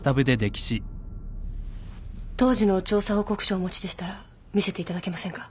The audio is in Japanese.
当時の調査報告書をお持ちでしたら見せていただけませんか？